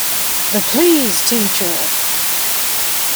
The Please Teacher!